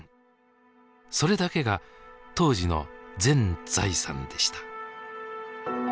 それだけが当時の全財産でした。